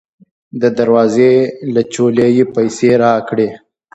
د دروازې له چولې یې پیسې راکړې.